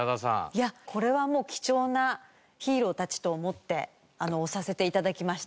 いやこれはもう貴重なヒーローたちと思って押させて頂きました。